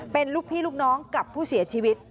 เป็นลูกพี่ลูกน้องกับผู้เสียชีวิต